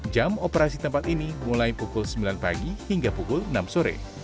jam operasi tempat ini mulai pukul sembilan pagi hingga pukul enam sore